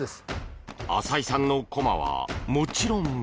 浅井さんのコマはもちろん。